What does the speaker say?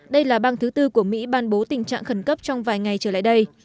đây là bang thứ tư của mỹ ban bố tình trạng khẩn cấp trong vài ngày trở lại đây